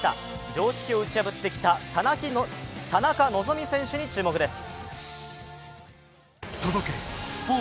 常識を打ち破ってきた田中希実選手に注目です。